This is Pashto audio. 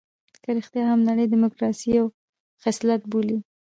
که رښتيا هم نړۍ ډيموکراسي یو خصلت بولي.